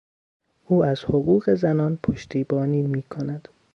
او از حقوق زنان پشتیبانی میکند.